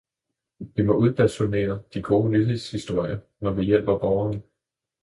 Vi må udbasunere de gode nyhedshistorier, når vi hjælper borgerne.